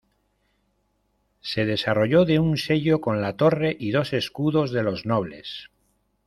Se desarrolló de un sello con la torre y dos escudos de los nobles.